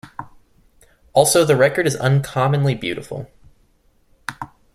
Also the record is uncommonly beautiful.